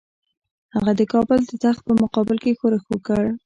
هغه د کابل د تخت په مقابل کې ښورښ وکړ.